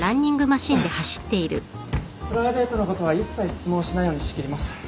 プライベートなことは一切質問しないように仕切ります。